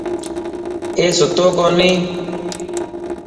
اي ستو ڪوني.